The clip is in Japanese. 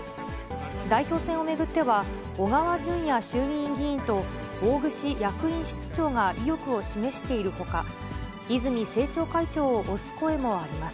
代表選を巡っては、小川淳也衆議院議員と大串役員室長が意欲を示しているほか、泉政調会長を推す声もあります。